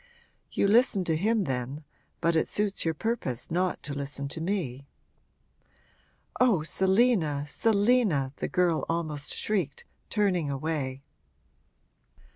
'You listen to him then but it suits your purpose not to listen to me!' 'Oh, Selina, Selina!' the girl almost shrieked, turning away.